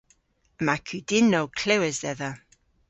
Yma kudynnow klewes dhedha.